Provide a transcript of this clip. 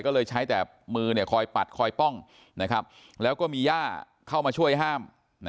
ก็เลยใช้แต่มือคอยปัดคอยป้องแล้วก็มีย่าเข้ามาช่วยห้าม